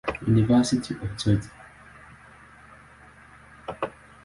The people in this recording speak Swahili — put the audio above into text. University of Georgia.